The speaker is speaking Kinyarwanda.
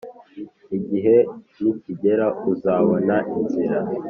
igihe nikigera uzabona inzira